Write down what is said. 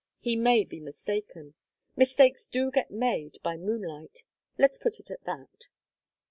He may be mistaken. Mistakes do get made by moonlight. Let's put it at that."